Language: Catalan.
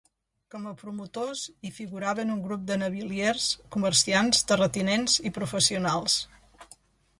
Com a promotors hi figuraven un grup de naviliers, comerciants, terratinents i professionals.